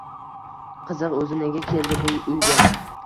Qiziq, o`zi nega keldi bu uyga